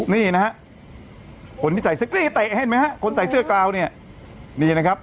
นี่นะฮะคนที่ใส่เซ็กซี่เตะเห็นไหมฮะคนใส่เสื้อกราวเนี่ยนี่นะครับ